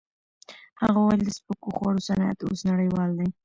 هغه وویل د سپکو خوړو صنعت اوس نړیوال دی.